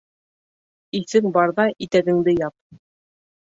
Иҫең барҙа итәгеңде яп.